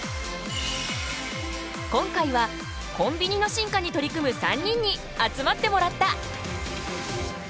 今回はコンビニの進化に取り組む３人に集まってもらった。